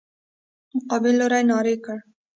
مقابل لوري ناره کړه.